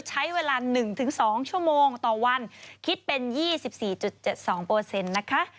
ใช้เวลา๑๒ชั่วโมงต่อวันคิดเป็น๒๔๗๒นะคะ